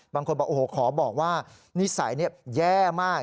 บางคนบอกโอ้โหขอบอกว่านิสัยแย่มาก